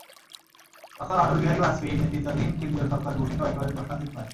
তখন অটল বিহারি বাজপেয়ির নেতৃত্বাধীন কেন্দ্রীয় সরকারের ভূমিকাও একেবারে প্রশ্নাতীত নয়।